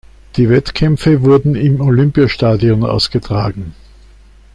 Die Wettkämpfe wurden im Olympiastadion ausgetragen.